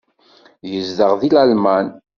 Yezdeɣ deg Lalman.